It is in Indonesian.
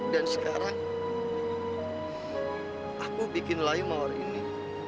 dan sekarang aku membuat layu mawar ini